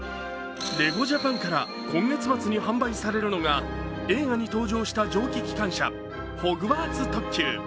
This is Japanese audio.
レゴジャパンから今月末に販売されるのが映画に登場した蒸気機関車ホグワーツ特急。